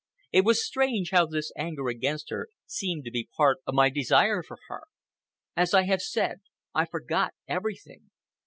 It was strange how this anger against her seemed to be part of my desire for her. As I have said, I forgot everything.